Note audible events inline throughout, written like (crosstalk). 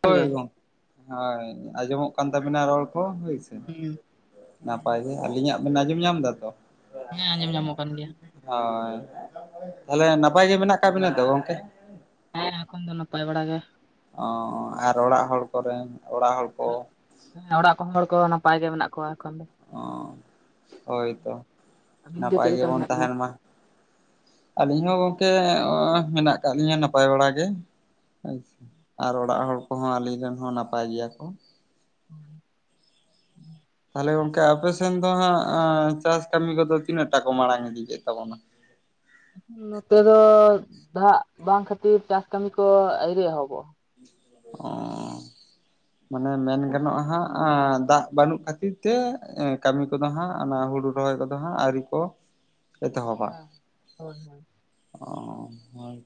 ᱡᱚᱦᱟᱨ ᱦᱳᱭ ᱜᱮ ᱜᱚᱝᱠᱮ ᱮᱸ ᱟᱸᱡᱚᱢᱚᱜ ᱠᱟᱱ ᱛᱟᱵᱮᱱᱟ ᱨᱚᱲ ᱠᱚ ᱦᱳᱭ ᱥᱮ᱾ ᱦᱩᱸ᱾ ᱱᱟᱯᱟᱭ ᱜᱮ, ᱟᱹᱞᱤᱧᱟᱜ ᱵᱮᱱ ᱟᱸᱡᱚᱢ ᱧᱟᱢ ᱫᱟ ᱛᱚ? ᱦᱮᱸ ᱟᱸᱡᱚᱢ ᱧᱟᱢᱚᱜ ᱠᱟᱱ ᱜᱮᱭᱟ ᱦᱳᱭ, ᱛᱟᱷᱟᱞᱮ ᱱᱟᱯᱟᱭ ᱜᱮ ᱢᱮᱱᱟᱜ ᱟᱠᱟᱜ ᱵᱮᱱᱟ ᱛᱚ ᱜᱚᱝᱠᱮ? ᱦᱮᱸ ᱮᱠᱷᱚᱱ ᱫᱚ ᱱᱟᱯᱟᱭ ᱵᱟᱲᱟ ᱜᱮ᱾ ᱚ ᱟᱨ ᱚᱲᱟᱜ ᱦᱚᱲ ᱠᱚᱨᱮᱱ ᱚᱲᱟᱜ ᱦᱚᱲ ᱠᱚ ᱦᱮᱸ ᱚᱲᱟᱜ ᱠᱚᱦᱚᱸ ᱦᱚᱲ ᱠᱚᱫᱚ ᱱᱟᱯᱟᱭ ᱜᱮ ᱢᱮᱱᱟᱜ ᱠᱚᱣᱟ ᱮᱠᱷᱚᱱ ᱫᱚ᱾ ᱚ ᱦᱳᱭ ᱛᱚ ᱟᱹᱵᱤᱱ ᱜᱮ ᱱᱟᱯᱟᱭ ᱪᱮᱫ ᱞᱮᱠᱟ ᱜᱮᱵᱚᱱ ᱢᱮᱱᱟᱜ ᱛᱟᱦᱮᱱ ᱢᱟ᱾ (inaudible) ᱟᱹᱞᱤᱧ ᱦᱚᱸ ᱜᱚᱝᱠᱮ ᱮᱸ ᱚᱻ ᱢᱮᱱᱟᱜ ᱠᱟᱜ ᱞᱤᱧᱟᱹ ᱱᱟᱯᱟᱭ ᱵᱟᱲᱟ ᱜᱮ᱾ ᱟᱪᱪᱷᱟ, ᱟᱨ ᱚᱲᱟᱜ ᱦᱚᱲ ᱠᱚᱦᱚᱸ ᱟᱹᱞᱤᱧ ᱨᱮᱱ ᱦᱚᱸ ᱱᱟᱯᱟᱭ ᱜᱮᱭᱟ ᱠᱚ᱾ ᱦᱩᱸ᱾ ᱛᱷᱟᱞᱮ ᱜᱚᱝᱠᱮ ᱟᱯᱮ ᱥᱮᱱ ᱫᱚ ᱦᱟᱸᱜ ᱟᱸ ᱪᱟᱥ ᱠᱟᱹᱢᱤ ᱠᱚᱫᱚ ᱛᱤᱱᱟᱹᱜ ᱴᱟ ᱠᱚ ᱢᱟᱲᱟᱝ ᱤᱫᱤ ᱠᱮᱫ ᱛᱟᱵᱚᱱᱟ? ᱱᱚᱛᱮ ᱫᱚ ᱫᱟᱜ ᱵᱟᱝ ᱠᱷᱟᱹᱛᱤᱨ ᱪᱟᱥ ᱠᱟᱹᱢᱤ ᱠᱚ ᱟᱹᱭᱨᱤ ᱮᱦᱚᱵᱚᱜᱼᱟ᱾ ᱚᱸ᱾ (inaudible) ᱢᱟᱱᱮ ᱢᱮᱱ ᱜᱟᱱᱚᱜᱼᱟ᱾ ᱦᱟᱸᱜ ᱟᱸ ᱫᱟᱜ ᱵᱟᱹᱱᱩᱜ ᱠᱷᱟᱹᱛᱤᱨ ᱛᱮ ᱠᱟᱹᱢᱤ ᱠᱚᱫᱚ ᱦᱟᱸᱜ ᱚᱱᱟ ᱦᱩᱲᱩ ᱨᱚᱦᱚᱭ ᱠᱚᱫᱚ ᱦᱟᱸᱜ ᱟᱹᱣᱨᱤ ᱠᱚ (inaudible) ᱮᱛᱚᱦᱚᱵᱟ, ᱦᱮᱸ ᱦᱳᱭ ᱦᱳᱭ ᱚ ᱦᱳᱭ᱾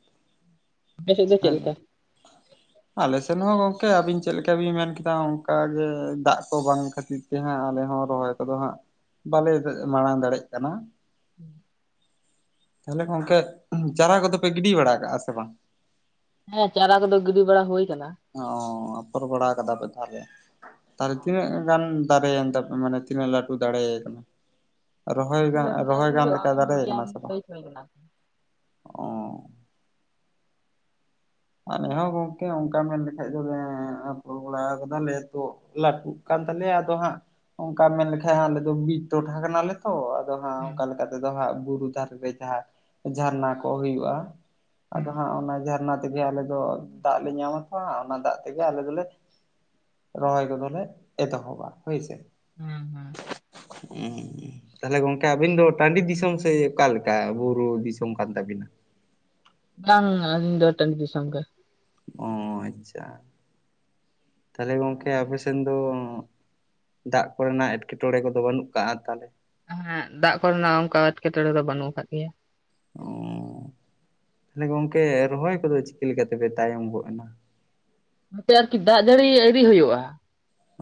ᱟᱯᱮ ᱥᱮᱫ ᱫᱚ ᱪᱮᱫ (unintelligible) (inaudible) ᱟᱞᱮ ᱥᱮᱱ ᱦᱚᱸ ᱜᱚᱝᱠᱮ ᱟᱹᱵᱤᱱ ᱪᱮᱫᱞᱮᱠᱟ ᱵᱤᱱ ᱢᱮᱱᱠᱮᱫᱟ ᱚᱱᱠᱟᱜᱮ ᱫᱟᱜ ᱠᱚ ᱵᱟᱝ ᱠᱷᱟᱹᱛᱤᱨ ᱛᱮ ᱦᱟᱸᱜ ᱟᱞᱮ ᱦᱚᱸ ᱨᱚᱦᱚᱭ ᱠᱚᱫᱚ ᱦᱟᱸᱜ ᱵᱟᱞᱮ ᱢᱟᱲᱟᱝ ᱫᱟᱲᱮᱜ ᱠᱟᱱᱟ᱾ ᱦᱩᱸ᱾ ᱛᱟᱦᱞᱮ ᱜᱚᱝᱠᱮ ᱪᱟᱨᱟ ᱠᱚᱫᱚ ᱯᱮ ᱜᱤᱰᱤ ᱵᱟᱲᱟ ᱠᱟᱜᱼᱟ ᱥᱮ ᱵᱟᱝ? ᱦᱮᱸ ᱪᱟᱨᱟ ᱠᱚᱫᱚ ᱜᱤᱰᱤ ᱵᱟᱲᱟ ᱦᱳᱭ ᱠᱟᱱᱟ᱾ ᱚ ᱟᱯᱷᱚᱨ ᱵᱟᱲᱟᱣ ᱠᱟᱫᱟ ᱯᱮ ᱛᱷᱟᱞᱮ, ᱛᱷᱟᱞᱮ ᱛᱤᱱᱟᱹᱜ ᱜᱟᱱ ᱫᱟᱨᱮᱭᱮᱱ ᱛᱟᱯᱮ ᱢᱟᱱᱮ ᱛᱤᱱᱟᱹᱜ ᱞᱟᱹᱴᱩ ᱫᱟᱲᱮᱭ ᱠᱟᱱᱟ, ᱨᱚᱦᱚᱭ ᱜᱟ ᱨᱚᱦᱚᱭ ᱜᱟᱱ ᱞᱮᱠᱟ ᱫᱟᱲᱮᱭ ᱠᱟᱱᱟ ᱥᱮ ᱵᱟᱝ? ᱦᱩᱭᱩᱜ ᱠᱟᱱᱟ᱾ ᱚ ᱟᱞᱮ ᱦᱚᱸ ᱜᱚᱝᱠᱮ ᱚᱝᱠᱟ ᱢᱮᱱ ᱞᱮᱠᱷᱟᱡ ᱫᱚᱞᱮ ᱟᱯᱷᱚᱞ ᱵᱟᱲᱟᱣ ᱠᱟᱫᱟᱞᱮ ᱛᱚ᱾ ᱞᱟᱹᱴᱩᱜ ᱠᱟᱱ ᱛᱟᱞᱮᱭᱟ ᱟᱫᱚ ᱦᱟᱸᱜ ᱚᱝᱠᱟ ᱢᱮᱱ ᱞᱮᱠᱷᱟᱡ ᱟᱞᱮ ᱫᱚ ᱵᱤᱫ ᱴᱚᱴᱷᱟ ᱠᱟᱱᱟᱞᱮ ᱛᱚ ᱟᱫᱚ ᱦᱟᱸᱜ ᱦᱩᱸ ᱚᱜᱠᱟ ᱞᱮᱠᱟ ᱛᱮᱫᱚ ᱦᱟᱸᱜ ᱵᱩᱨᱩ ᱫᱷᱟᱨᱮ ᱨᱮ ᱡᱟᱦᱟᱸ ᱡᱷᱟᱨᱱᱟ ᱠᱚ ᱦᱩᱭᱩᱜᱼᱟ ᱟᱫᱚ ᱦᱩᱸ ᱦᱟᱸᱜ ᱚᱱᱟ ᱡᱷᱟᱨᱱᱟ ᱛᱮᱜᱮ ᱟᱞᱮ ᱫᱚ ᱫᱟᱜ ᱞᱮ ᱧᱟᱢ ᱟᱛᱚ ᱦᱟᱸᱜ ᱚᱱᱟ ᱫᱟᱜ ᱛᱮᱜᱮ ᱟᱞᱮ ᱫᱚᱞᱮ ᱨᱚᱦᱚᱭ ᱠᱚᱫᱚᱞᱮ ᱮᱛᱚᱦᱚᱵᱟ ᱦᱳᱭ ᱥᱮ᱾ ᱦᱩᱸ ᱦᱩᱸ᱾ ᱩᱸ ᱛᱟᱞᱦᱮ ᱜᱚᱝᱠᱮ ᱟᱵᱤᱱ ᱫᱚ ᱴᱟᱺᱰᱤ ᱫᱤᱥᱚᱢ ᱥᱮ ᱚᱠᱟᱞᱮ ᱠᱟ ᱵᱩᱨᱩ ᱫᱤᱥᱚᱢ ᱠᱟᱱ ᱛᱟᱵᱤᱱᱟ? ᱵᱟᱝ ᱟᱞᱤᱧ ᱫᱚ ᱴᱟᱺᱰᱤ ᱫᱤᱥᱚᱢ ᱜᱮ᱾ ᱚ ᱟᱪᱪᱷᱟ, ᱛᱷᱟᱞᱮ ᱜᱚᱝᱠᱮ ᱟᱯᱮ ᱥᱮᱱ ᱫᱚ ᱫᱟᱜ ᱠᱚᱨᱮᱱᱟᱜ ᱮᱸᱴᱠᱮᱴᱚᱬᱮ ᱠᱚᱫᱚ ᱵᱟᱹᱱᱩᱜ ᱠᱟᱜᱼᱟ᱾ ᱛᱟᱦᱚᱞᱮ? ᱮᱸ ᱦᱮᱸᱜ ᱫᱟᱜ ᱠᱚᱨᱮᱱᱟᱜ ᱚᱱᱠᱟ ᱮᱴᱠᱮᱴᱚᱬᱮ ᱫᱚ ᱵᱟᱹᱱᱩᱜ ᱠᱟᱜ ᱜᱮᱭᱟ᱾ ᱚᱻ ᱛᱟᱦᱚᱞᱮ ᱜᱚᱝᱠᱮ ᱨᱚᱦᱚᱭ ᱠᱚᱫᱚ ᱪᱤᱠᱟᱹ ᱞᱮᱠᱟᱛᱮ ᱯᱮ ᱛᱟᱭᱚᱢ ᱜᱚᱫ ᱮᱱᱟ? ᱱᱚᱛᱮ ᱟᱨᱠᱤ ᱫᱟᱜ ᱡᱟᱹᱲᱤ ᱟᱹᱣᱨᱤ ᱦᱩᱭᱩᱜᱼᱟ᱾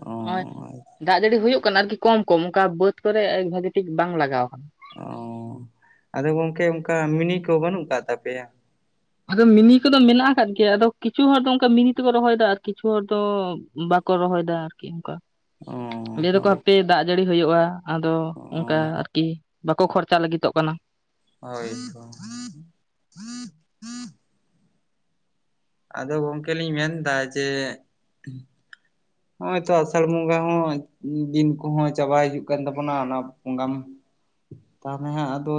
ᱚ ᱱᱚᱜᱼᱚᱭ ᱫᱟᱜ ᱡᱟᱹᱲᱤ ᱦᱩᱭᱩᱜ ᱠᱟᱱᱟ ᱟᱨᱠᱤ ᱠᱚᱢ ᱠᱚᱢ ᱚᱝᱠᱟ ᱵᱟᱹᱫᱽ ᱠᱚᱨᱮ ᱵᱷᱟᱜᱤ ᱴᱷᱤᱠ ᱵᱟᱝ ᱞᱟᱜᱟᱣ ᱠᱟᱱᱟ᱾ ᱚ ᱟᱫᱚ ᱜᱚᱢᱠᱮ ᱚᱱᱠᱟ ᱢᱤᱱᱤ ᱠᱚ ᱵᱟᱹᱱᱩᱜ ᱠᱟᱜ ᱛᱟᱯᱮᱭᱟ᱾ ᱟᱫᱚ ᱢᱤᱱᱤ ᱠᱚᱫᱚ ᱢᱮᱱᱟᱜ ᱠᱟᱫ ᱜᱮᱭᱟ, ᱟᱫᱚ ᱠᱤᱪᱷᱩ ᱦᱚᱲ ᱫᱚ ᱚᱜᱠᱟ ᱢᱤᱱᱤ ᱛᱮᱠᱚ ᱨᱚᱦᱚᱭᱮᱫᱟ ᱟᱨ ᱠᱤᱪᱷᱩ ᱦᱚᱲ ᱫᱚ ᱵᱟᱠᱚ ᱨᱚᱦᱚᱭ ᱫᱟ ᱟᱨᱠᱤ ᱚᱝᱠᱟ ᱚ ᱞᱟᱹᱭ ᱫᱟᱠᱚ ᱦᱳᱭ ᱦᱟᱯᱮ ᱫᱟᱜ ᱡᱟᱹᱲᱤ ᱦᱩᱭᱩᱜᱼᱟ᱾ ᱟᱫᱚ ᱚ ᱚᱝᱠᱟ ᱟᱨᱠᱤ ᱵᱟᱠᱚ ᱠᱷᱚᱨᱪᱟ ᱞᱟᱹᱜᱤᱛᱚᱜ ᱠᱟᱱᱟ᱾ ᱦᱚᱭ ᱛᱚ᱾ ᱟᱫᱚ ᱜᱚᱝᱠᱮ ᱞᱤᱧ ᱢᱮᱱᱫᱟ ᱡᱮ ᱱᱦᱜᱚᱭ ᱛᱚ ᱟᱥᱟᱲ ᱵᱚᱸᱜᱟ ᱦᱚᱸ ᱫᱤᱱ ᱠᱚᱦᱚᱸ ᱪᱟᱵᱟᱭ ᱦᱤᱡᱩᱜ ᱠᱟᱱ ᱛᱟᱵᱚᱱᱟ ᱚᱱᱟ ᱵᱚᱸᱜᱟ (unintelligible) ᱛᱟᱦᱚᱞᱮ ᱦᱟᱸᱜ ᱟᱫᱚ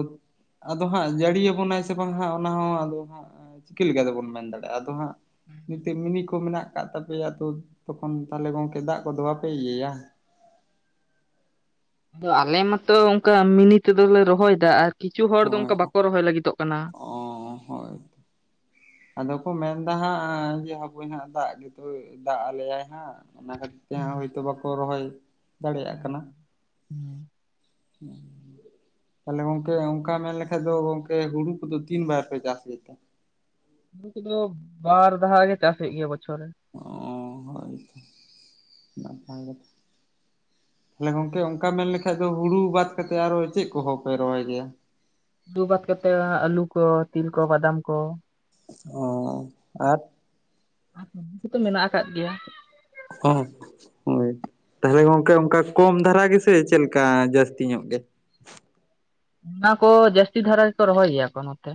ᱟᱫᱚ ᱦᱟᱸᱜ ᱡᱟᱹᱲᱤᱭ ᱟᱵᱚᱱᱟᱭ ᱥᱮ ᱵᱟᱝ ᱦᱟᱸᱜ ᱚᱱᱟ ᱦᱚᱸ ᱟᱫᱚ ᱦᱟᱸᱜ ᱪᱤᱠᱟ ᱞᱮᱠᱟ ᱛᱮᱵᱚᱱ ᱢᱮᱱ ᱫᱟᱲᱮᱜ-ᱟ ᱟᱫᱚ ᱦᱟᱸᱜ ᱱᱤᱛᱟᱹᱜ ᱢᱤᱱᱤ ᱠᱚ ᱢᱮᱱᱟᱜ ᱠᱟᱜ ᱛᱟᱯᱮᱭᱟ ᱛᱚ ᱛᱚᱠᱷᱚᱱ ᱛᱟᱞᱦᱮ ᱜᱚᱢᱠᱮ ᱫᱟᱜ ᱠᱚᱫᱚ ᱵᱟᱯᱮ ᱤᱭᱟᱹᱭᱟ ᱟᱫᱚ ᱟᱞᱮ ᱢᱟᱛᱚ ᱚᱝᱠᱟ ᱢᱤᱱᱤ ᱛᱮᱫᱚᱞᱮ ᱨᱚᱦᱚᱭ ᱮᱫᱟ ᱟᱨ ᱠᱤᱪᱷᱩ ᱦᱚᱲ ᱫᱚ ᱦᱳᱭ ᱚᱝᱠᱟ ᱵᱟᱠᱚ ᱨᱚᱦᱚᱭ ᱞᱟᱹᱜᱤᱫᱚᱜ ᱠᱟᱱᱟ᱾ ᱚ ᱦᱳᱭ (unintelligible) ᱟᱫᱚ ᱠᱚ ᱢᱮᱱ ᱫᱟ ᱦᱟᱸᱜ ᱡᱮ ᱦᱟᱯᱳᱭ ᱱᱟᱦᱟᱸᱜ ᱫᱟᱜ ᱜᱮᱛᱚ ᱫᱟᱜ ᱟᱞᱮᱭᱟᱭ ᱦᱟᱸᱜ᱾ ᱚᱱᱟ ᱠᱷᱟᱹᱛᱤᱨ ᱛᱮ ᱦᱟᱸᱜ ᱦᱳᱭᱛᱳ ᱵᱟᱠᱚ ᱨᱚᱦᱚᱭ ᱫᱟᱲᱮᱭᱟᱜ ᱠᱟᱱᱟ᱾ ᱦᱩᱸ᱾ ᱦᱮᱸ᱾ ᱛᱟᱦᱚᱞᱮ ᱜᱚᱝᱠᱮ ᱚᱝᱠᱟ ᱢᱮᱱ ᱞᱮᱠᱷᱟᱡ ᱫᱚ ᱜᱚᱝᱠᱮ ᱦᱩᱲᱩ ᱠᱚᱫᱚ ᱛᱤᱱ ᱵᱟᱨ ᱯᱮ ᱪᱟᱥ ᱜᱮᱛᱮ? ᱦᱩᱲᱩ ᱠᱚᱫᱚ ᱵᱟᱨ ᱫᱷᱟᱣ ᱜᱮ ᱪᱟᱥ ᱦᱩᱭᱩᱜ ᱜᱮᱭᱟ ᱵᱚᱪᱷᱚᱨ ᱨᱮ᱾ (unintelligible) ᱛᱟᱦᱮ ᱜᱚᱝᱠᱮ ᱚᱱᱠᱟ ᱢᱮᱱ ᱞᱮᱠᱷᱟᱡ ᱫᱚ ᱦᱩᱲᱩ ᱵᱟᱫ ᱠᱟᱛᱮᱜ ᱟᱨᱚ ᱪᱮᱜ ᱠᱚᱦᱚᱸ ᱯᱮ ᱨᱚᱦᱚᱭ ᱜᱮᱭᱟ? ᱦᱩᱲᱩ ᱵᱟᱫ ᱠᱟᱛᱮᱜ ᱟᱦᱟᱜ ᱟᱹᱞᱩ ᱠᱚ, ᱛᱤᱞ ᱠᱚ, ᱵᱟᱫᱟᱢ ᱠᱚ ᱚ ᱟᱨ᱾ ᱟᱨ ᱥᱚᱵᱡᱤ ᱠᱚᱛᱚ ᱢᱮᱱᱟᱜ ᱟᱠᱟᱫ ᱜᱮᱭᱟ᱾ ᱚ ᱦᱚᱸ ᱦᱳᱭ᱾ ᱛᱟᱦᱚᱞᱮ ᱜᱚᱝᱠᱮ ᱚᱱᱠᱟ ᱠᱚᱢ ᱫᱷᱟᱨᱟ ᱜᱮᱥᱮ ᱪᱮᱜ ᱞᱮᱠᱟ ᱡᱟᱹᱥᱛᱤ ᱧᱚᱜ ᱜᱮ? ᱚᱱᱟ ᱠᱚ ᱡᱟᱥᱛᱤ ᱫᱷᱟᱨᱟ ᱜᱮᱠᱚ ᱨᱚᱦᱚᱭ ᱜᱮᱭᱟ ᱠᱚ ᱱᱚᱛᱮ᱾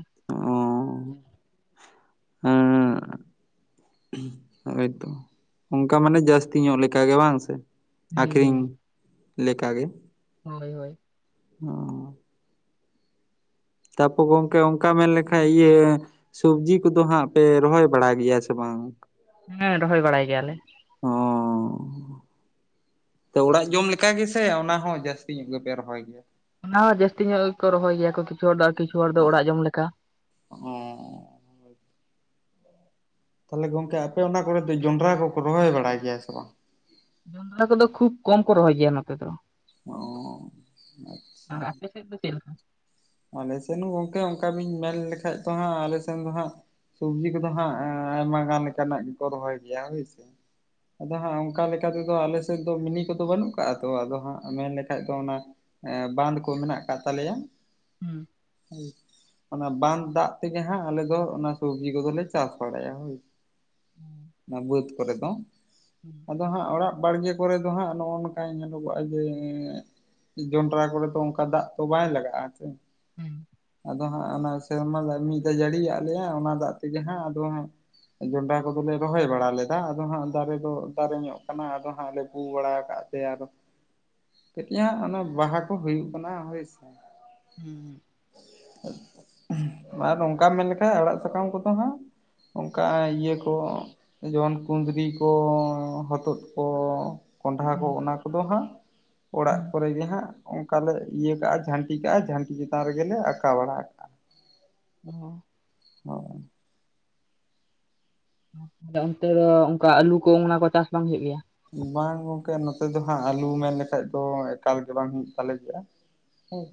ᱦᱩᱸ᱾ ᱦᱳᱭᱛᱚ ᱚᱱᱠᱟ ᱢᱟᱱᱮ ᱡᱟᱹᱥᱛᱤ ᱧᱚᱜ ᱞᱮᱠᱟ ᱜᱮ ᱵᱟᱝ ᱥᱮ? ᱟᱠᱷᱨᱤᱧ ᱦᱩᱸ ᱞᱮᱠᱟ ᱜᱮ᱾ ᱦᱳᱭ ᱦᱳᱭ᱾ ᱦᱩᱸ᱾ ᱛᱟᱯᱚᱨ ᱜᱚᱢᱠᱮ ᱚᱱᱠᱟ ᱢᱮᱱ ᱞᱮᱠᱷᱟᱡ ᱤᱭᱟᱹ ᱥᱚᱵᱡᱤ ᱠᱚᱫᱚ ᱦᱟᱸᱜ ᱯᱮ ᱨᱚᱦᱚᱭ ᱵᱟᱲᱟ ᱜᱮᱭᱟ ᱥᱮ ᱵᱟᱝ? ᱦᱮᱸ ᱨᱚᱦᱚᱭ ᱵᱟᱲᱟᱭ ᱜᱮᱭᱟᱞᱮ᱾ ᱚ ᱛᱚ ᱚᱲᱟᱜ ᱡᱚᱢ ᱞᱮᱠᱟ ᱜᱮᱥᱮ ᱚᱱᱟ ᱦᱚᱸ ᱡᱟᱹᱥᱛᱤ ᱧᱚᱜ ᱜᱮᱯᱮ ᱨᱚᱦᱚᱭ ᱜᱮᱭᱟ? ᱚᱱᱟ ᱦᱚᱸ ᱡᱟᱹᱥᱛᱤ ᱧᱚᱜ ᱜᱮᱠᱚ ᱨᱚᱦᱚᱭ ᱜᱮᱭᱟ ᱠᱚ ᱠᱤᱪᱷᱩ ᱦᱚᱲ ᱫᱚ ᱟᱨ ᱠᱤᱪᱷᱩ ᱦᱚᱲ ᱫᱚ ᱚᱲᱟᱜ ᱡᱚᱢ ᱞᱮᱠᱟ᱾ ᱚ᱾ ᱛᱟᱦᱚᱞᱮ ᱜᱚᱝᱠᱮ ᱟᱯᱮ ᱚᱱᱟ ᱠᱚᱨᱮ ᱫᱚ ᱡᱚᱱᱰᱨᱟ ᱠᱚᱠᱚ ᱨᱚᱦᱚᱭ ᱵᱟᱲᱟᱭ ᱜᱮᱭᱟ ᱥᱮ ᱵᱟᱝ? ᱡᱚᱱᱰᱨᱟ ᱠᱚᱫᱚ ᱠᱷᱩᱵ ᱠᱚᱢ ᱠᱚ ᱨᱚᱦᱚᱭ ᱜᱮᱭᱟ ᱱᱚᱛᱮ ᱫᱚ᱾ ᱚ᱾ (unintelligible) ᱟᱨ ᱟᱯᱮᱥᱮᱫ ᱫᱚ ᱪᱮᱫ ᱞᱮᱠᱟ? ᱟᱞᱮ ᱥᱮᱱ ᱦᱚᱸ ᱜᱚᱝᱠᱮ ᱚᱱᱠᱟ ᱵᱤᱱ ᱢᱮᱱ ᱞᱮᱠᱷᱟᱡ ᱫᱚ ᱦᱟᱸᱜ ᱟᱞᱮ ᱥᱮᱱ ᱫᱚ ᱦᱟᱸᱜ ᱥᱚᱵᱡᱤ ᱠᱚᱫᱚ ᱦᱟᱸᱜ ᱟᱭᱢᱟ ᱜᱟᱱ ᱞᱮᱠᱟᱱᱟᱜ ᱜᱮᱠᱚ ᱨᱚᱦᱚᱭ ᱜᱮᱭᱟ ᱦᱳᱭᱥᱮ᱾ ᱟᱫᱚ ᱦᱟᱸᱜ ᱚᱱᱠᱟ ᱞᱮᱠᱟ ᱛᱮᱫᱚ ᱟᱞᱮ ᱥᱮᱫ ᱫᱚ ᱢᱤᱱᱤ ᱠᱚᱫᱚ ᱵᱟᱹᱱᱩᱜ ᱠᱟᱜᱟ ᱛᱚ ᱟᱫᱚ ᱦᱟᱸᱜ ᱢᱮᱱ ᱞᱮᱠᱷᱟᱡ ᱫᱚ ᱚᱱᱟ ᱮ ᱵᱟᱸᱫᱷ ᱠᱚ ᱢᱮᱱᱟᱜ ᱟᱠᱟᱫ ᱛᱟᱞᱮᱭᱟ᱾ ᱦᱩᱸ᱾ (inaudible) ᱚᱱᱟ ᱵᱟᱸᱫᱷ ᱫᱟᱜ ᱛᱮᱜᱮ ᱦᱟᱸᱜ ᱟᱞᱮ ᱫᱚ ᱚᱱᱟ ᱥᱚᱵᱡᱤ ᱠᱚᱫᱚᱞᱮ ᱪᱟᱥ ᱵᱟᱲᱟᱭᱟ ᱦᱳᱭ᱾ ᱦᱩᱸ ᱚᱱᱟ ᱵᱟᱹᱫᱽ ᱠᱚᱨᱮ ᱫᱚ᱾ ᱟᱫᱚ ᱦᱟᱸᱜ ᱚᱲᱟᱜ ᱵᱟᱲᱜᱮ ᱠᱚᱨᱮ ᱫᱚ ᱦᱟᱸᱜ ᱱᱚᱜᱚ ᱱᱚᱝᱠᱟ ᱧᱮᱞᱚ ᱜᱚᱜᱟ ᱡᱮ ᱡᱚᱱᱰᱨᱟ ᱠᱚᱨᱮ ᱫᱚ ᱚᱝᱠᱟ ᱫᱟᱜ ᱛᱚ ᱵᱟᱭ ᱞᱟᱜᱟᱜᱼᱟ ᱥᱮ᱾ (unintelligible) ᱟᱫᱚ ᱦᱟᱸᱜ ᱚᱱᱟ ᱥᱮᱨᱢᱟ ᱫᱟᱜ ᱢᱤᱫ ᱫᱷᱟᱣ ᱡᱟᱹᱲᱤᱭᱟᱜ ᱞᱮᱭᱟ, ᱚᱱᱟ ᱫᱟᱜ ᱛᱮᱜᱮ ᱦᱟᱸᱜ ᱟᱫᱚ ᱦᱟᱸᱜ ᱜᱚᱰᱟ ᱠᱚᱫᱚᱞᱮ ᱨᱚᱦᱚᱭ ᱵᱟᱲᱟ ᱞᱮᱫᱟ, ᱟᱫᱚ ᱦᱟᱸᱜ ᱫᱟᱨᱮ ᱫᱚ ᱫᱟᱨᱮ ᱧᱚᱜ ᱠᱟᱱᱟ ᱟᱫᱚ ᱦᱟᱸᱜ ᱞᱮ ᱯᱩ ᱵᱟᱲᱟ ᱠᱟᱜ ᱛᱮ ᱟᱫᱚ (inaudible) ᱠᱟᱹᱴᱤᱡ ᱦᱟᱸᱜ ᱚᱱᱟ ᱵᱟᱦᱟ ᱠᱚ ᱦᱩᱭᱩᱜ ᱠᱟᱱᱟ ᱦᱳᱭ ᱥᱮ᱾ ᱦᱩᱸ᱾ ᱟᱨ ᱱᱚᱝᱠᱟᱢ ᱢᱮᱱᱞᱠᱷᱟᱡ ᱟᱲᱟᱜ ᱥᱟᱠᱟᱢ ᱠᱚᱫᱚ ᱦᱟᱸᱜ ᱚᱝᱠᱟ ᱤᱭᱟᱹ ᱠᱚ ᱡᱮᱢᱚᱱ ᱠᱩᱸᱫᱽᱨᱤ ᱠᱚ ᱦᱚᱛᱚᱫ ᱠᱚ ᱠᱚᱰᱷᱟ ᱠᱚ ᱦᱩᱸ ᱚᱱᱟ ᱠᱚᱫᱚ ᱦᱟᱸᱜ ᱚᱲᱟᱜ ᱦᱩᱸ ᱠᱚᱨᱮ ᱜᱮ ᱦᱟᱸᱜ ᱚᱱᱠᱟ ᱞᱮ ᱤᱭᱟᱹ ᱠᱟᱜᱼᱟ ᱡᱷᱟᱱᱴᱤ ᱠᱟᱜᱼᱟ, ᱡᱷᱟᱱᱴᱤ ᱪᱮᱛᱟᱱ ᱨᱮᱜᱮ ᱞᱮ ᱟᱠᱟᱸᱣ ᱵᱟᱲᱟ ᱠᱟᱜᱼᱟ᱾ ᱚ᱾ ᱚ᱾ ᱛᱚ ᱚᱱᱛᱮ ᱫᱚ ᱚᱱᱠᱟ ᱟᱹᱞᱩ ᱠᱚ ᱚᱱᱟ ᱠᱚ ᱪᱟᱥ ᱵᱟᱝ ᱦᱩᱭᱩᱜ ᱜᱮᱭᱟ? ᱵᱟᱝ ᱜᱚᱝᱠᱮ, ᱱᱚᱛᱮ ᱫᱚ ᱦᱟᱸᱜ ᱟᱞᱩ ᱢᱮᱱ ᱞᱮᱠᱷᱟᱡ ᱫᱚ ᱮᱠᱟᱞ ᱜᱮ ᱵᱟᱝ ᱦᱩᱭᱩᱜ ᱛᱟᱞᱮ ᱜᱮᱭᱟ᱾ (unintelligible)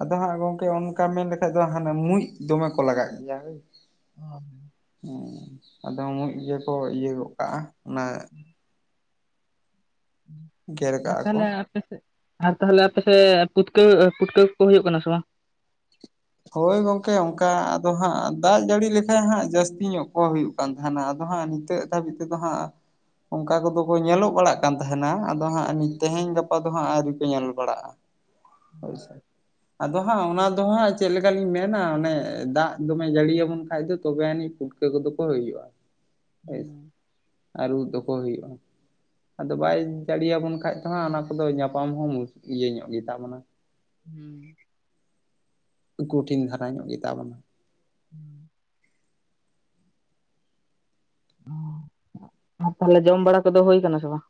ᱟᱫᱚ ᱦᱟᱸᱜ ᱜᱚᱝᱠᱮ ᱚᱱᱠᱟ ᱢᱮᱱ ᱞᱮᱠᱷᱟᱡ ᱫᱚ, ᱦᱟᱱᱮ ᱢᱩᱡ ᱫᱚᱢᱮ ᱠᱚ ᱞᱟᱜᱟᱜ ᱜᱮᱭᱟ ᱦᱳᱭ᱾ (unintelligible) ᱦᱮᱸ, ᱟᱫᱚ ᱢᱩᱡ ᱜᱮᱠᱚ ᱤᱭᱟᱹ ᱜᱚᱜ ᱠᱟᱜᱼᱟ ᱚᱱᱟ ᱜᱮᱨ ᱟᱨ ᱠᱟᱜᱼᱟ ᱠᱚ ᱛᱟᱦᱚᱞᱮ ᱟᱯᱮᱥᱮ ᱟᱨ ᱛᱟᱦᱚᱞᱮ ᱟᱯᱮ ᱥᱮᱫ ᱯᱩᱴᱠᱟᱹ ᱯᱩᱴᱠᱟᱹ ᱠᱚ ᱠᱚ ᱦᱩᱭᱩᱜ ᱠᱟᱱᱟ ᱥᱮ ᱵᱟᱝ? ᱦᱳᱭ ᱜᱚᱝᱠᱮ, ᱚᱱᱠᱟ ᱟᱫᱚ ᱦᱟᱸᱜ ᱫᱟᱜ ᱡᱟᱹᱲᱤ ᱞᱮᱠᱟᱡ ᱦᱟᱸᱜ ᱡᱟᱹᱥᱛᱤ ᱧᱚᱜ ᱠᱚ ᱦᱩᱭᱩᱜ ᱠᱟᱱ ᱛᱟᱦᱮᱱᱟ ᱟᱫᱚ ᱦᱟᱸᱜ ᱱᱤᱛᱟᱹᱜ ᱫᱷᱟᱹᱵᱤᱡ ᱛᱮᱫᱚ ᱦᱟᱸᱜ ᱚᱝᱠᱟ ᱠᱚᱫᱚ ᱠᱚ ᱧᱮᱞᱚᱜ ᱵᱟᱲᱟᱜ ᱠᱟᱱ ᱛᱟᱦᱮᱱᱟ ᱟᱫᱚ ᱦᱟᱸᱜ ᱱᱤ ᱛᱮᱦᱮᱧ ᱜᱟᱯᱟ ᱫᱚ ᱦᱟᱸᱜ ᱟᱹᱣᱨᱤ ᱠᱚ ᱧᱮᱞ ᱵᱟᱲᱟᱜᱼᱟ᱾ ᱦᱳᱭ ᱥᱮ, ᱟᱫᱚ ᱦᱟᱸᱜ ᱚᱱᱟ ᱫᱚ ᱦᱟᱸᱜ ᱪᱮᱫ ᱞᱮᱠᱟ ᱞᱤᱧ ᱢᱮᱱᱟ ᱚᱱᱮ ᱫᱟᱜ ᱫᱚᱢᱮ ᱡᱟᱹᱲᱤᱭᱟ ᱵᱚᱱ ᱠᱷᱟᱡ ᱫᱚ ᱛᱚᱵᱮ ᱟᱹᱱᱤᱡ ᱯᱷᱩᱴᱠᱟᱹ ᱠᱚᱫᱚ ᱠᱚ ᱦᱩᱭᱩᱜᱼᱟ᱾ ᱦᱳᱭ ᱥᱮ (inaudible) ᱟᱨ ᱩᱫ ᱫᱚᱠᱚ ᱦᱩᱭᱩᱜᱼᱟ᱾ ᱟᱫᱚ ᱵᱟᱭ ᱡᱟᱲᱤ ᱭᱟᱵᱚᱱ ᱠᱷᱟᱱ ᱫᱚ ᱦᱟᱸᱜ ᱚᱱᱟ ᱠᱚᱫᱚ ᱧᱟᱯᱟᱢ ᱦᱚᱸ ᱢᱩ ᱤᱭᱟᱹ ᱧᱚᱜ ᱜᱮᱛᱟ ᱵᱚᱱᱟ᱾ (inaudible) ᱠᱦᱴᱷᱤᱱ ᱫᱷᱟᱨᱟ ᱧᱚᱜ ᱜᱮᱛᱟ ᱵᱚᱱᱟ᱾ ᱦᱩᱸ ᱛᱟᱦᱚᱞᱮ ᱡᱚᱢ ᱵᱟᱲᱟ ᱠᱚᱫᱚ ᱦᱳᱭ ᱠᱟᱱᱟ ᱥᱮ ᱵᱟᱝ?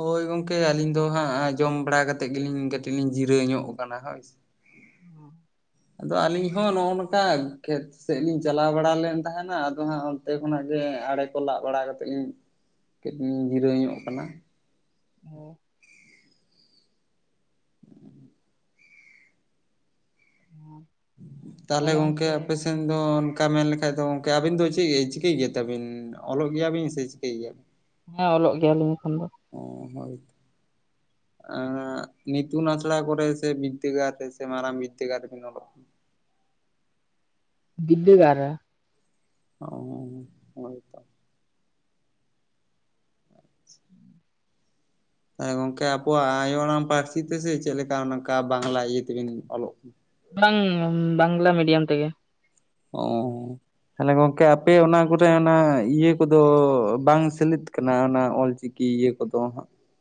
ᱦᱳᱭ ᱜᱚᱝᱠᱮ ᱟᱹᱞᱤᱧ ᱫᱚ ᱦᱟᱸᱜ ᱡᱚᱢ ᱵᱟᱲᱟ ᱠᱟᱛᱮᱫ ᱜᱤᱞᱤᱧ ᱠᱟᱹᱴᱤᱡ ᱞᱤᱧ ᱡᱤᱨᱟᱹ ᱧᱚᱜ ᱟᱠᱟᱱᱟ ᱦᱳᱭ ᱥᱮ᱾ ᱟᱫᱚ ᱟᱹᱞᱤᱧ ᱦᱚᱸ ᱱᱚᱜᱼᱚ ᱱᱚᱝᱠᱟ ᱠᱷᱮᱛ ᱥᱮᱜ ᱞᱤᱧ ᱪᱟᱞᱟᱣ ᱵᱟᱲᱟ ᱞᱮᱱ ᱛᱟᱦᱮᱱᱟ ᱟᱫᱚ ᱦᱟᱸᱜ ᱚᱱᱛᱮ ᱠᱷᱚᱱᱟᱜ ᱜᱮ ᱟᱲᱮ ᱠᱚ ᱞᱟᱜ ᱵᱟᱲᱟ ᱠᱟᱛᱮᱫ ᱞᱤᱧ ᱠᱟᱹᱡ ᱞᱤᱧ ᱡᱤᱨᱟᱹᱣ ᱵᱟᱲᱟ ᱧᱚᱜ ᱠᱟᱱᱟ᱾ (unintelligible) ᱛᱟᱦᱚᱞᱮ ᱜᱚᱝᱠᱮ ᱟᱯᱮ ᱥᱮ ᱥᱮᱱ ᱫᱚ ᱚᱱᱠᱟ ᱢᱮᱱ ᱞᱮᱠᱷᱟᱡ ᱫᱚ ᱜᱚᱝᱠᱮ ᱟᱹᱵᱤᱱ ᱫᱚ ᱪᱮᱜ ᱪᱤᱠᱟᱹᱭ ᱜᱮᱭᱟ ᱛᱮᱵᱤᱱ? ᱚᱞᱚᱜ ᱜᱮᱭᱟᱵᱤᱱ ᱥᱮ ᱪᱤᱠᱟᱹᱭ ᱜᱮᱭᱟᱵᱤᱱ? ᱦᱮᱸ ᱚᱞᱚᱜ ᱜᱮᱭᱟ ᱞᱤᱧ ᱮᱠᱷᱚᱱ ᱫᱚ ᱾ ᱚ ᱦᱳᱭ᱾ (inaudible) ᱟ ᱱᱤᱛᱩᱱᱟ ᱟᱥᱲᱟ ᱠᱚ ᱥᱮ ᱵᱤᱫᱫ ᱜᱴ ᱥᱮ ᱢᱟᱨᱟᱢ ᱵᱤᱫᱽᱫᱟ ᱜᱟᱲ ᱨᱮ ᱵᱤᱱ ᱚᱞᱚᱜᱼᱟ? ᱵᱤᱫᱽᱫᱟᱹ ᱜᱟᱲ ᱨᱮ ᱾ ᱚᱻ ᱜᱚᱝᱠᱮ ᱟᱵᱚᱣᱟᱜ ᱟᱭᱳ ᱟᱲᱟᱝ ᱯᱟᱹᱨᱥᱤ ᱛᱮᱥᱮ ᱪᱮᱫ ᱞᱮᱠᱟ ᱱᱚᱝᱠᱟ ᱵᱟᱝᱞᱟ ᱤᱭᱟᱹ ᱛᱮᱵᱤᱱ ᱚᱞᱚᱜ ᱠᱟᱱᱟ? ᱵᱟᱝ ᱵᱟᱝᱞᱟ ᱢᱤᱰᱤᱭᱟᱢ ᱛᱮᱜᱮ ᱾ ᱚᱻ ᱛᱟᱦᱚᱞᱮ ᱜᱚᱝᱠᱮ ᱟᱯᱮ ᱚᱱᱟ ᱠᱚᱨᱮ ᱚᱱᱟ ᱤᱭᱟᱹ ᱠᱚᱫᱚ ᱵᱟᱝ ᱥᱮᱞᱮᱫ ᱠᱟᱱᱟ ᱚᱱᱟ ᱚᱞ ᱪᱤᱠᱤ? ᱤᱭᱟᱹ ᱠᱚᱫᱚ᱾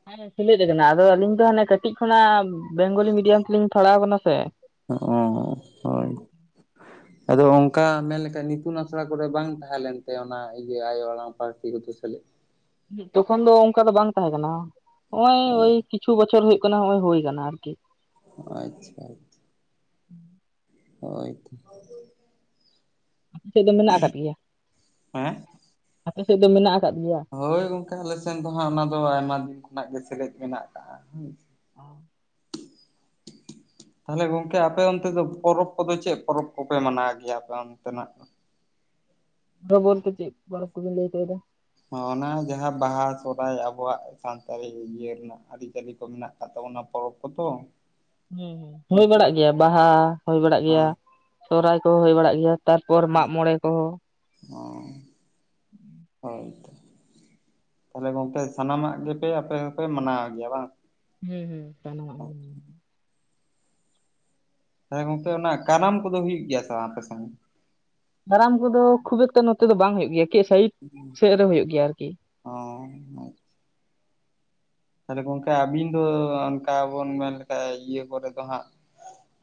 ᱦᱮᱸ ᱥᱮᱞᱮᱫ ᱠᱟᱱᱟ ᱟᱫᱚ ᱟᱹᱞᱤᱧ ᱫᱚ ᱦᱟᱱᱮ ᱠᱟᱹᱴᱤᱡ ᱠᱷᱚᱱᱟᱜ ᱵᱮᱝᱜᱚᱞᱤ ᱢᱤᱰᱤᱭᱟᱢ ᱛᱮᱞᱤᱧ ᱯᱟᱲᱟᱣ ᱠᱟᱱᱟ ᱥᱮ ᱾ ᱚ ᱦᱳᱭ (inaudible) ᱟᱫᱚ ᱚᱱᱠᱟ ᱢᱮᱱᱞᱠᱷᱟ ᱤᱛᱩᱱ ᱟᱥᱲᱟ ᱠᱚᱨᱮ ᱵᱟᱝ ᱛᱟᱦᱮᱸ ᱞᱮᱱᱛᱮ ᱚᱱᱟ ᱤᱭᱟᱹ ᱟᱭᱳ ᱟᱲᱟᱝ ᱯᱟᱹᱨᱥᱤ ᱜᱫᱚ ᱥᱟᱞᱮᱫ᱾ ᱛᱚᱠᱷᱚᱱ ᱫᱚ ᱚᱱᱠᱟ ᱫᱚ ᱵᱟᱝ ᱛᱟᱦᱮᱸ ᱠᱟᱱᱟ, ᱱᱚᱜᱼᱚᱭ ᱳᱭ ᱪᱷᱚ ᱵᱚᱪᱷᱚᱨ ᱦᱩᱭᱩᱜ ᱠᱟᱱᱟ ᱱᱚᱜᱚᱭ ᱦᱩᱭ ᱠᱟᱱᱟ ᱟᱨᱠᱤ ᱾ ᱟᱪᱪᱷᱟ ᱟᱪᱪᱷᱟ᱾ ᱦᱳᱭ ᱛᱚ᱾ ᱟᱯᱮᱥᱮᱫ ᱫᱚ ᱢᱮᱱᱟᱜ ᱟᱠᱫᱜᱮᱭᱟ, ᱦᱮᱸ ᱟᱯᱮ ᱥᱮᱫ ᱫᱚ ᱢᱮᱱᱟᱜ ᱟᱠᱟᱫ ᱜᱮᱭᱟ? ᱦᱳᱭ ᱜᱚᱝᱠᱮ ᱟᱞᱮ ᱥᱮᱱ ᱫᱚ ᱦᱟᱸᱜ ᱚᱱᱟ ᱫᱚ ᱟᱭᱢᱟ ᱫᱤᱱ ᱠᱷᱚᱱᱟᱜ ᱜᱮ ᱥᱮᱞᱮᱫ ᱢᱮᱱᱟᱜ ᱟᱠᱟᱟᱜ ᱦ ᱾ ᱚ ᱛᱟᱦᱚᱞᱮ ᱜᱚᱝᱠᱮ ᱟᱯᱮ ᱚᱱᱛᱮ ᱫᱚ ᱯᱚᱨᱚᱵᱽ ᱠᱚᱫᱚ ᱪᱮᱫ ᱯᱚᱨᱚᱵᱽ ᱠᱚᱯᱮ ᱢᱟᱱᱟᱣ ᱜᱮᱭᱟ ᱟᱯᱮ ᱚᱱᱛᱮᱱᱟᱜ? (unintelligible) ᱵᱟᱞᱛᱮ ᱪᱮᱫ ᱯᱚᱨᱚᱵ ᱠᱚᱵᱤᱱ ᱞᱟᱹᱭ ᱦᱚᱪᱚᱭᱟ? ᱦᱚᱸ ᱚᱱᱟ ᱡᱟᱦᱟᱸ ᱵᱟᱦᱟ ᱥᱚᱦᱚᱨᱟᱭ ᱟᱵᱚᱣᱟᱜ ᱥᱟᱱᱛᱟᱲᱤ ᱤᱭᱟᱹ ᱨᱮᱱᱟᱜ ᱟᱹᱨᱤᱪᱟᱹᱞᱤ ᱠᱚ ᱢᱮᱱᱟᱜ᱾ ᱟᱛᱚ ᱚᱱᱟ ᱯᱚᱨᱚᱵᱽ ᱠᱚᱫᱚ ᱦᱮᱸ ᱦᱩᱭ ᱦᱮᱸᱥᱮ ᱵᱟᱲᱟ ᱜᱮᱭᱟ ᱵᱟᱦᱟ ᱵᱟᱲᱟᱜ ᱦᱮᱸ ᱜᱮᱭᱟ ᱥᱚᱨᱚᱦᱟᱭ ᱠᱚ ᱦᱩᱭ ᱵᱟᱲᱟᱜ ᱜᱮᱭᱟ᱾ ᱛᱟᱨᱯᱚᱨ ᱢᱟᱜ ᱢᱚᱬᱮ ᱠᱚᱦᱚᱸ ᱾ ᱦᱳᱭᱛᱚ᱾ ᱛᱟᱦᱚᱞᱮ ᱜᱚᱝᱠᱮ ᱥᱟᱱᱟᱢᱟᱜ ᱜᱮᱯᱮ ᱟᱯᱮ ᱦᱚᱸᱯᱮ ᱢᱟᱱᱟᱣ ᱜᱮᱭᱟ ᱵᱟᱝ? ᱦᱮᱸ ᱦᱩᱸ ᱥᱟᱱᱟ ᱢᱟᱜ ᱜᱮ᱾ ᱛ ᱜᱚᱝᱠᱮ ᱚᱱᱟ ᱠᱟᱨᱟᱢ ᱠᱚᱫᱚ ᱦᱩᱭᱩᱜ ᱜᱮᱭᱟ ᱥᱮ ᱵᱟᱝ ᱟᱯᱮ ᱥᱮᱱ? ᱠᱟᱨᱟᱢ ᱠᱚᱫᱚ ᱠᱷᱩᱵ ᱮᱠᱴᱟ ᱱᱚᱛᱮ ᱫᱚ ᱵᱟᱝ ᱦᱩᱭᱩᱜ ᱜᱮᱭᱟ ᱥᱟᱭᱤᱰ ᱥᱮᱫ ᱨᱮ ᱦᱩᱭᱩᱜ ᱜᱮᱭᱟ ᱟᱨᱠᱤ ᱚᱻ ᱛᱟᱦᱚᱞᱮ ᱜᱚᱝᱠᱮ ᱟᱵᱤᱱ ᱫᱚ ᱚᱱᱠᱟ ᱵᱚᱱ ᱢᱮᱱ ᱞᱮᱠᱷᱷᱟ ᱤᱭᱟᱹ ᱠᱚᱨᱮ ᱫᱚ ᱦᱟᱸᱜ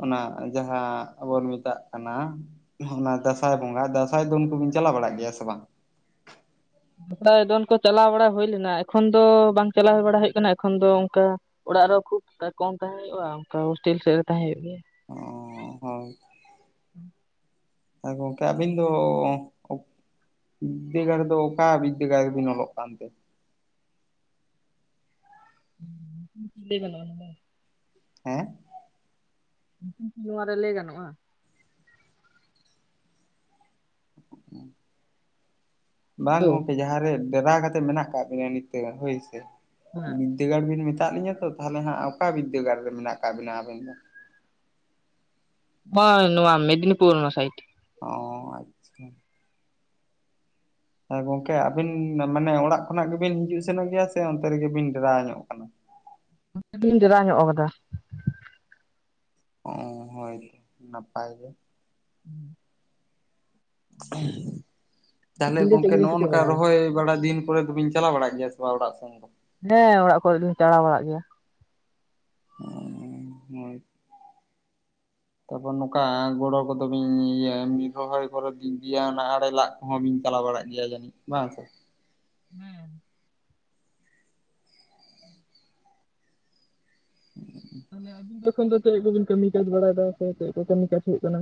ᱚᱱᱟ ᱡᱟᱦᱟᱸ ᱵᱚᱱ ᱢᱮᱛᱟᱜ ᱠᱟᱱᱟ ᱚᱱᱟ ᱫᱟᱸᱥᱟᱭ ᱵᱚᱸᱜᱟ ᱫᱟᱸᱥᱟᱭ ᱫᱚ ᱩᱱᱠᱩᱵᱤᱱ ᱪᱟᱞᱟᱣ ᱵᱟᱲᱟᱜ ᱜᱮᱭᱟ ᱥᱮ ᱵᱟᱝ? ᱫᱟᱭ ᱫᱚᱚᱱ ᱠᱚ ᱪᱟᱞᱟᱣ ᱵᱟᱲᱟ ᱦᱩᱭ ᱞᱮᱱᱟ ᱮᱠᱷᱚᱱ ᱫᱚ ᱵᱟᱝ ᱪᱟᱞᱟᱣ ᱦᱩᱭ ᱵᱟᱲᱟ ᱦᱩᱭ ᱠᱟᱱᱟ ᱮᱠᱷᱚᱱ ᱫᱚ ᱚᱱᱠᱟ ᱚᱲᱟᱜ ᱨᱮ ᱠᱷᱩᱵ ᱛᱟ ᱠᱚᱢ ᱛᱟᱦᱮᱸ ᱦᱩᱭᱩᱜᱼᱟ ᱚᱱᱠᱟ ᱦᱳᱥᱴᱮᱞ ᱥᱮᱫ ᱨᱮ ᱛᱟᱸ ᱦᱩᱭᱩᱜ ᱜᱮᱭᱟ ᱾ ᱦᱚ ᱜᱚᱢᱠᱮ ᱟᱹᱵᱤᱱ ᱫᱚ ᱵᱤᱫᱽᱫᱟᱹᱜᱟᱲ ᱫᱚ ᱚᱠᱟ ᱵᱤᱫᱽᱫᱟᱹᱜᱟᱲ ᱨᱮᱵᱤᱱ ᱚᱞᱚᱜ ᱠᱟᱱᱛᱮ? (unintelligible) ᱦᱮᱸ ᱧᱩᱛᱩᱢ ᱠᱤ ᱱᱚᱣᱟ ᱨᱮ ᱞᱟᱹᱭ ᱜᱟᱱᱚᱜᱼᱟ? (unintelligible) ᱵᱟᱝ ᱦᱮᱞᱳ ᱜᱚᱝᱠᱮ ᱡᱟᱦᱟᱸᱨᱮ ᱰᱮᱨᱟ ᱠᱟᱛᱮ ᱢᱮᱱᱟᱜ ᱠᱟᱜ ᱵᱤᱱᱟ ᱱᱤᱛᱚᱜ ᱦᱳᱭᱥᱮ ᱦᱮᱸ ᱛᱤᱜᱟᱲ ᱵᱤᱱ ᱢᱮᱛᱟᱜ ᱞᱤᱧᱟ ᱛᱚ ᱛᱟᱦᱞᱮ ᱦᱟᱜ ᱚᱠᱟ ᱵᱤᱫᱽᱫᱟᱹᱜᱟᱲ ᱨᱮ ᱢᱮᱱᱟᱜ ᱟᱠᱟᱜ ᱵᱤᱱᱟ ᱟᱵᱮᱱ ᱫᱚ? ᱵᱟᱝ ᱱᱚᱣᱟ ᱢᱮᱫᱽᱱᱤᱯᱩᱨ ᱚᱱᱟ ᱥᱟᱭᱤᱴ᱾ ᱚᱸ ᱟᱪᱪᱷᱟ ᱾ ᱦᱚᱭ ᱜᱚᱝᱠᱮ ᱟᱹᱵᱤᱱ ᱢᱟᱱᱮ ᱚᱲᱟᱜ ᱠᱷᱚᱱᱟᱜ ᱜᱮᱵᱤᱱ ᱦᱤᱡᱩᱜ ᱥᱮᱱᱚᱜ ᱜᱮᱭᱟ ᱥᱮ ᱚᱱᱛᱮ ᱨᱮᱜᱮ ᱵᱤᱱ ᱰᱮᱨᱟ ᱧᱚᱜ ᱟᱠᱟᱱᱟ? ᱚᱱᱛᱮ ᱨᱮᱞᱤᱧ ᱰᱮᱨᱟ ᱧᱚᱜ ᱟᱠᱟᱫᱟ ᱾ ᱚᱸ ᱦᱚᱭ ᱱᱟᱯᱟᱭ ᱜᱮ ᱾ (inaudible) ᱛᱟᱦᱞᱮ ᱟᱹᱵᱤᱱ ᱫᱚ ᱪᱮᱫ ᱜᱚᱝᱠᱮ ᱠᱚᱵᱤᱱ ᱱᱚᱜ-ᱚ ᱪᱤᱠᱟᱹ ᱱᱚᱝᱠᱟ ᱵᱟᱲᱟᱭᱟ ᱨᱚᱦᱚᱭ ᱵᱟᱲᱟ ᱫᱤᱱ ᱠᱚᱨᱮ ᱫᱚᱵᱤᱱ ᱪᱟᱞᱟᱣ ᱵᱟᱲᱟᱜ ᱜᱮᱭᱟ ᱥᱮ ᱵᱟᱝ ᱚᱲᱟᱜ ᱥᱮᱱ ᱫᱚ? ᱦᱮᱸ ᱚᱲᱟᱜ ᱠᱚᱨᱮ ᱫᱩᱧ ᱪᱟᱲᱟᱣ ᱵᱟᱲᱟᱜ ᱜᱮᱭᱟ᱾ ᱩᱸ ᱦᱚᱭ ᱾ (inaudible) ᱛᱟᱯᱚᱨ ᱱᱚᱠᱟ ᱜᱚᱲᱚ ᱠᱚᱫᱚ ᱵᱤᱱ ᱤᱭᱟᱹ ᱨᱚᱦᱚᱭ ᱠᱚᱨᱮ ᱵᱤᱱ ᱤᱫᱤᱭᱟ ᱚᱱᱟ ᱟᱲᱮ ᱞᱟᱜ ᱠᱚᱦᱚᱸ ᱵᱤᱱ ᱪᱟᱞᱟᱣ ᱵᱟᱲᱟᱜ ᱜᱮᱭᱟ ᱡᱟᱹᱱᱤᱡ ᱵᱟᱝ ᱥᱮ? ᱦᱮᱸ ᱾ ᱢᱟᱱᱮ ᱟᱵᱤᱱ ᱛᱚᱠᱷᱚᱱ ᱫᱚ ᱪᱮᱫ ᱠᱚᱵᱤᱱ ᱠᱟᱹᱢᱤ ᱠᱟᱡᱽ ᱵᱟᱲᱟᱭᱮᱫᱟ ᱥᱮ ᱪᱮᱫ ᱠᱚ ᱠᱟᱹᱢᱤ ᱠᱟᱡ ᱦᱩᱭᱩᱜ ᱠᱟᱱᱟ?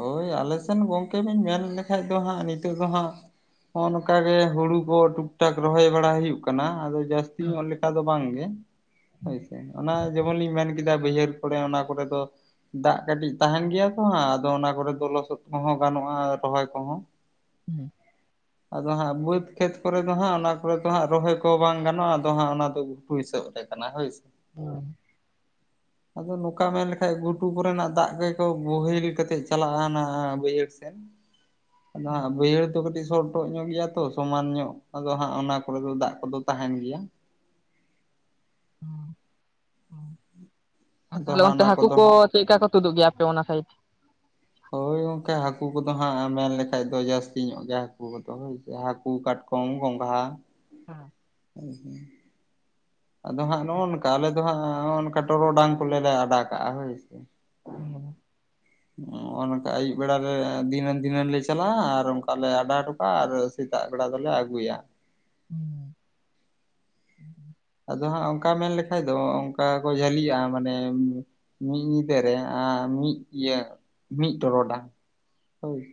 ᱦᱳᱭ ᱟᱞᱮ ᱥᱮᱱ ᱜᱚᱝᱠᱮ ᱵᱤᱱ ᱢᱮᱱ ᱞᱮᱠᱷᱟᱡ ᱫᱚ ᱦᱟᱸᱜ ᱱᱤᱛᱚᱜ ᱫᱚ ᱦᱟᱸᱜ ᱱᱚᱜ-ᱱᱚᱝᱠᱟ ᱜᱮ ᱦᱩᱲᱩ ᱠᱚ ᱴᱩᱠ ᱴᱟᱠ ᱨᱚᱦᱚᱭ ᱵᱟᱲᱟ ᱦᱩᱭᱩᱜ ᱠᱟᱱᱟ ᱟᱫᱚ ᱡᱟᱹᱥᱛᱤ ᱦᱮᱸ ᱧᱚᱜ ᱞᱮᱠᱟ ᱫᱚ ᱵᱟᱝ ᱜᱮ ᱦᱳᱭ ᱥᱮ ᱾ ᱚᱱᱟ ᱡᱮᱢᱚᱱ ᱞᱤᱧ ᱢᱮᱱ ᱠᱮᱫᱟ ᱵᱟᱹᱭᱦᱟᱹᱲ ᱠᱚᱲᱮ ᱚᱱᱟ ᱠᱚᱨᱮ ᱫᱚ ᱫᱟᱜ ᱠᱟᱹᱴᱤᱡ ᱛᱟᱦᱮᱱ ᱜᱮᱭᱟ ᱛᱚ ᱦᱟᱸᱜ ᱟᱫᱚ ᱚᱱᱟ ᱠᱚᱨᱮ ᱫᱚ ᱞᱚᱥᱚᱫ ᱠᱚᱦᱚᱸ ᱜᱟᱱᱚᱜ-ᱟ ᱨᱚᱦᱚᱭ ᱠᱚᱦᱚᱸ᱾ (inaudible) ᱟᱫᱚ ᱦᱟᱸᱜ ᱵᱟᱹᱛ ᱠᱷᱮᱛ ᱠᱚᱨᱮ ᱫᱚ ᱦᱟᱸᱜ ᱚᱱᱟ ᱠᱚᱨᱮ ᱫᱚ ᱦᱟᱸᱜ ᱨᱚᱦᱚᱭ ᱠᱚ ᱵᱟᱝ ᱜᱟᱱᱚᱜ-ᱟ ᱟᱫᱚ ᱦᱟᱸᱜ ᱚᱱᱟ ᱫᱚ ᱜᱷᱩᱴᱩ ᱦᱤᱥᱟᱹᱵ ᱛᱮ ᱠᱟᱱᱟ ᱦᱳᱭ ᱥᱮ ᱾ ᱩᱸ ᱾ ᱟᱫᱚ ᱱᱚᱠᱟ ᱢᱮᱱ ᱞᱮᱠᱷᱟᱡ ᱜᱷᱩᱴᱩ ᱠᱚᱨᱮᱱᱟᱜ ᱫᱟᱜ ᱜᱮᱠᱚ ᱵᱳᱦᱮᱞ ᱠᱟᱛᱮᱜ ᱪᱟᱞᱟᱜ-ᱟ ᱚᱱᱟ ᱵᱟᱹᱭᱦᱟᱹᱲ ᱥᱮᱱ ᱾ (inaudible) ᱟᱫᱚ ᱦᱟᱸᱜ ᱵᱟᱹᱭᱦᱟᱹᱲ ᱫᱚ ᱠᱟᱹᱴᱤᱡ ᱥᱚᱴᱚᱜ ᱧᱚᱜ ᱜᱮᱭᱟ ᱛᱚ ᱥᱚᱢᱟᱱ ᱧᱚᱜ ᱟᱫᱚ ᱦᱟᱸᱜ ᱚᱱᱟ ᱠᱚᱨᱮ ᱫᱚ ᱫᱟᱜ ᱠᱚᱫᱚ ᱛᱟᱦᱮᱱ ᱜᱮᱭᱟ᱾ ᱦᱚᱸ ᱾ ᱟᱨ ᱟᱫᱚ ᱛᱟᱦᱞᱮ ᱦᱟᱸᱜ ᱚᱱᱛᱮ ᱚᱱᱟ ᱦᱟᱹᱠᱩ ᱠᱚᱫᱚ ᱠᱚ ᱦᱟᱸᱜ ᱪᱮᱜ ᱠᱟ ᱠᱚ ᱛᱩᱫᱩᱜ ᱜᱮᱭᱟ ᱟᱯᱮ ᱚᱱᱟ ᱥᱟᱭᱤᱴ? (inaudible) ᱦᱳᱭ ᱜᱚᱝᱠᱮ ᱦᱟᱹᱠᱩ ᱠᱚᱫᱚ ᱦᱟᱸᱜ ᱢᱮᱱ ᱞᱮᱠᱷᱟᱡ ᱫᱚ ᱡᱟᱹᱥᱛᱤ ᱧᱚᱜ ᱜᱮᱭᱟ ᱦᱟᱹᱠᱩ ᱠᱚᱫᱚ ᱦᱳᱭ ᱥᱮ ᱦᱟᱹᱠᱩ, ᱠᱟᱴᱠᱚᱢ, ᱜᱚᱸᱜᱷᱟ ᱦᱮᱸ ᱾ ᱦᱮ ᱦᱮ ᱾ ᱟᱫᱚ ᱦᱟᱸᱜ ᱱᱚᱜ-ᱚ ᱱᱚᱝᱠᱟ ᱟᱞᱮ ᱫᱚ ᱦᱟᱸᱜ ᱱᱚᱜ-ᱚ ᱱᱚᱝᱠᱟ ᱴᱚᱨᱚᱰᱟᱝ ᱠᱚᱞᱮ ᱞᱮ ᱟᱰᱟ ᱠᱟᱜ-ᱟ ᱦᱳᱭ ᱥᱮ ᱾ (unintelligible) ᱱᱚᱜ-ᱚ ᱱᱚᱝᱠᱟ ᱟᱹᱭᱩᱵ ᱵᱮᱲᱟ ᱞᱮ ᱫᱷᱤᱱᱟᱹᱝ ᱫᱷᱤᱱᱟᱹᱝ ᱞᱮ ᱪᱟᱞᱟᱜ-ᱟ ᱟᱨ ᱚᱱᱠᱟ ᱞᱮ ᱟᱰᱟ ᱦᱚᱴᱚ ᱠᱟᱜ-ᱟ ᱟᱨ ᱥᱮᱛᱟᱜ ᱵᱮᱲᱟ ᱫᱚᱞᱮ ᱟᱹᱜᱩᱭᱟ ᱾ ᱦᱚᱸ ᱾ (inaudible) ᱟᱫᱚ ᱦᱟᱸᱜ ᱚᱱᱠᱟ ᱢᱮᱱ ᱞᱮᱠᱷᱟᱡ ᱫᱚ ᱚᱱᱠᱟ ᱠᱚ ᱡᱷᱟᱹᱞᱤᱜ-ᱟ ᱢᱟᱱᱮ ᱢᱤᱫ ᱧᱤᱫᱟᱹ ᱨᱮ ᱟᱨ ᱢᱤᱜ ᱤᱭᱟᱹ ᱢᱤᱜ ᱴᱚᱨᱚᱰᱟᱝ ᱾ (inaudible) ᱦᱳᱭ ᱾